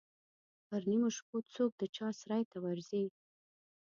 پر نیمو شپو څوک د چا سرای ته ورځي.